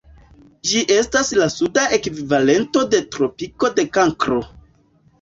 Ĝi estas la suda ekvivalento de tropiko de Kankro.